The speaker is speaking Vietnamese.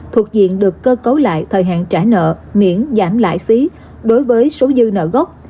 thuộc diện được cơ cấu lại thời hạn trả nợ miễn giảm lãi phí đối với số dư nợ gốc